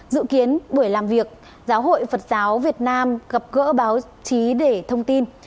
dự kiến buổi làm việc giáo hội phật giáo việt nam gặp gỡ báo chí để thông tin